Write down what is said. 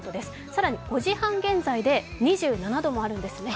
更に、５時半現在で２７度もあるんですね。